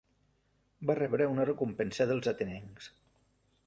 Va rebre una recompensa dels atenencs.